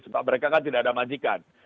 sebab mereka kan tidak ada majikan